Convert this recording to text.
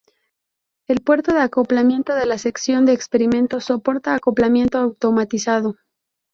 El puerto de acoplamiento de la sección de experimentos soporta acoplamiento automatizado.